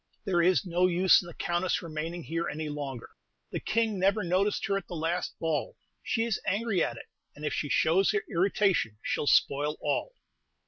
There is no use in the Countess remaining here any longer; the King never noticed her at the last ball; she is angry at it, and if she shows her irritation she 'll spoil all.